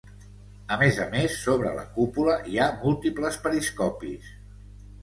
A més a més, sobre la cúpula hi ha múltiples periscopis.